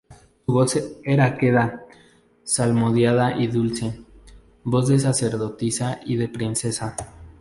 su voz era queda, salmodiada y dulce, voz de sacerdotisa y de princesa.